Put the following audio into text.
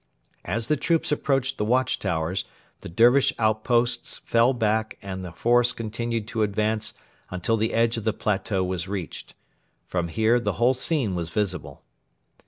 As the troops approached the watch towers the Dervish outposts fell back and the force continued to advance until the edge of the plateau was reached. From here the whole scene was visible.